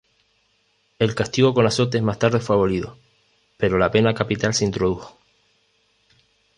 El Castigo con azotes más tarde fue abolido, pero la pena capital se introdujo.